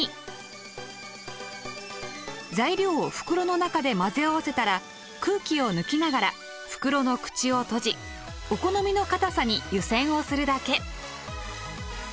材料を袋の中で混ぜ合わせたら空気を抜きながら袋の口を閉じお好みの硬さに湯せんをするだけ。